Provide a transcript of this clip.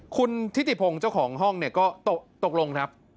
คุณทิศิพงก์เจ้าของห้องก็ตกลงครับ